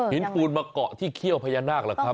ปูนมาเกาะที่เขี้ยวพญานาคล่ะครับ